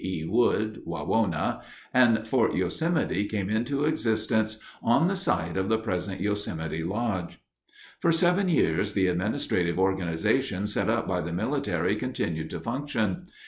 E. Wood (Wawona), and Fort Yosemite came into existence on the site of the present Yosemite Lodge. For seven years the administrative organization set up by the military continued to function.